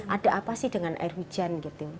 ada apa sih dengan air hujan gitu